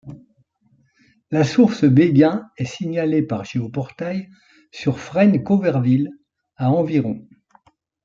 La source Béghin est signalée par Géoportail sur Fresne-Cauverville à environ.